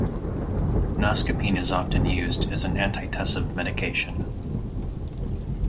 Noscapine is often used as an antitussive medication.